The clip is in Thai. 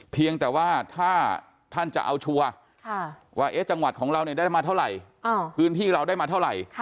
เพียงแต่ว่าถ้าท่านจะเอาชัวร์ว่าจังหวัดของเราได้มาเท่าไหร่พื้นที่เราได้มาเท่าไหร่